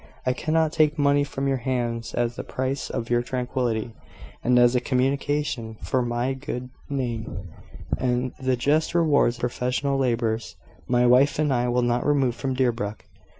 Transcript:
I cannot take money from your hands as the price of your tranquillity, and as a commutation for my good name, and the just rewards of my professional labours. My wife and I will not remove from Deerbrook.